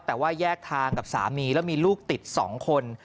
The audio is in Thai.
แต่ว่าแยกทางกับสามีแล้วมีลูกติด๒คน